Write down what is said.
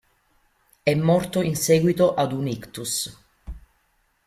È morto in seguito ad un ictus.